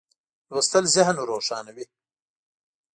لوستل ذهن روښانوي.